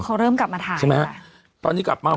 เขาเริ่มกลับมาถ่าย